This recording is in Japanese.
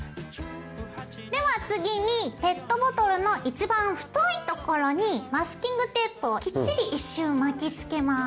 では次にペットボトルの一番太いところにマスキングテープをきっちり１周巻きつけます。